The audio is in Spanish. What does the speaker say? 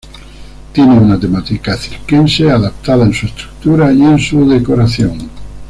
Tiene una temática circense adoptada en su estructura y en su decoración.